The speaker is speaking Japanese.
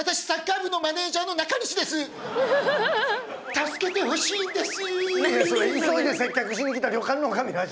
助けてほしいんです！